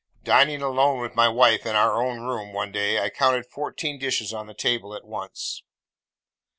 Dining alone with my wife in our own room, one day, I counted fourteen dishes on the table at once.